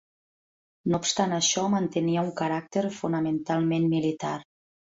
No obstant això, mantenia un caràcter fonamentalment militar.